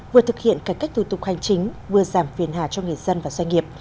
vừa thực hiện cải cách thủ tục hành chính vừa giảm phiền hà cho người dân và doanh nghiệp